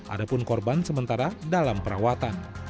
ada pun korban sementara dalam perawatan